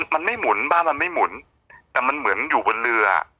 มันไม่หมุนบ้านมันไม่หมุนแต่มันเหมือนอยู่บนเรือ